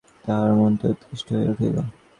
তাঁহার মনটা উৎকণ্ঠিত হইয়া উঠিল।